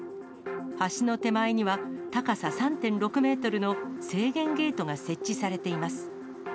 橋の手前には、高さ３．６メートルの制限ゲートが設置されています。